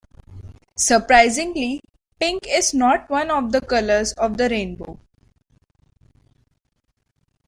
Surprisingly, pink is not one of the colours of the rainbow.